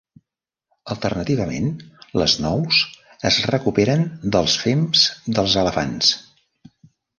Alternativament les nous es recuperen dels fems dels elefants.